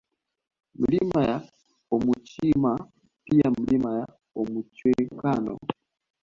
Milima ya Omuchirima pia Milima ya Omuchwekano